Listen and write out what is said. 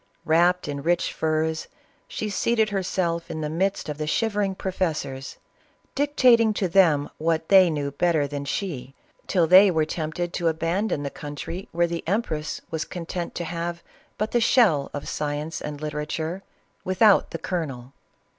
Wrapped in rich furs, she seated herself in the midst of the shivering pro fessors, dictating to them what they knew better than CATHERINE OF RUSSIA. 415 she, till they were tempted to abandon the country where the empress was content to have but the shell of science and literature, without the kernel.